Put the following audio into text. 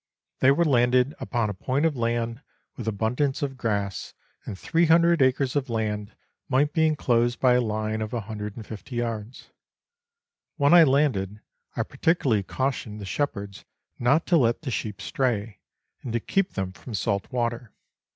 They were landed upon a point of land with abundance of grass, and 300 acres of land might be enclosed by a line of 150 yards. When I landed, I particularly cautioned the shepherds not to let the sheep stray, and to keep them from salt water.